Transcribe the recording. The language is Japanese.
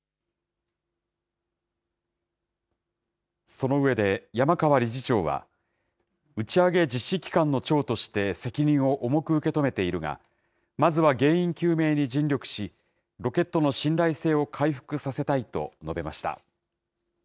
その上で山川理事長は、打ち上げ実施機関の長として責任を重く受け止めているが、まずは原因究明に尽力し、ロケットの信頼性を回復させたいと述べました。